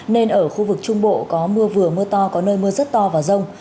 nên ở khu vực trung bộ có mưa vừa mưa to có nơi mưa rất to và rông